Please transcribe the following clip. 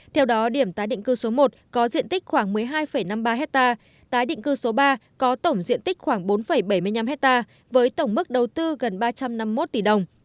theo đó điểm tái định cư số một có diện tích khoảng một mươi hai năm mươi ba hectare tái định cư số ba có tổng diện tích khoảng bốn bảy mươi năm hectare với tổng mức đầu tư gần ba trăm năm mươi một tỷ đồng